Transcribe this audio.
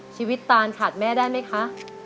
ชีวิตตานขาดแม่ได้ไหมคะ